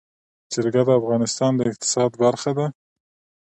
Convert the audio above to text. جلګه د افغانستان د اقتصاد برخه ده.